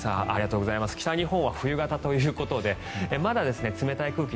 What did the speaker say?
北日本は冬型ということでまだ冷たい空気